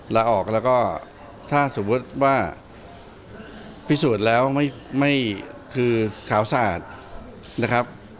ลาออกแล้วก็ถ้าสมมุติว่าพิสูจน์แล้วคือข่าวสะอาด